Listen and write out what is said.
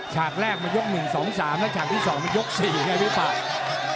ฉากแรกมันยก๑๒๓และฉากที่สองมันยก๔นะครับพี่ฟัง